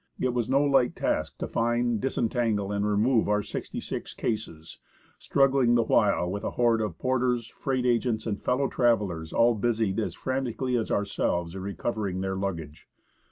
It was no light task to find, disentangle, and remove our sixty six cases, struggling the while with a horde of porters, freight agents, and fellow travellers all busied as frantically as ourselves in recovering their luggage.